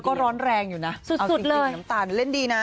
เธอก็ร้อนแรงอยู่นะเอาสิ่งที่น้ำตาลเล่นดีนะ